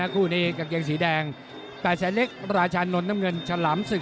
คู่นี้กางเกงสีแดง๘แสนเล็กราชานนท์น้ำเงินฉลามศึก